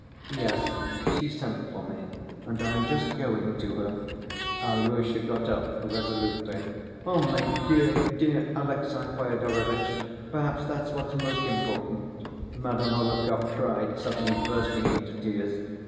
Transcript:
"Yes, she sent for me, and I am just going to her." Alyosha got up resolutely. "Oh, my dear, dear Alexey Fyodorovitch, perhaps that's what's most important," Madame Hohlakov cried, suddenly bursting into tears.